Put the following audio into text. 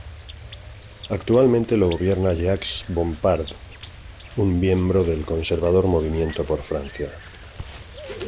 Actualmente lo gobierna Jacques Bompard, un miembro del conservador Movimiento por Francia.